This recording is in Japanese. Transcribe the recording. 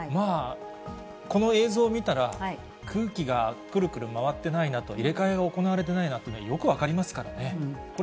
この映像を見たら、空気がくるくる回ってないなと、入れ換えが行われてないなというのが、よく分かりますからね。